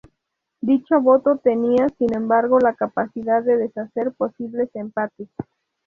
Dicho voto tenía, sin embargo, la capacidad de deshacer posibles empates.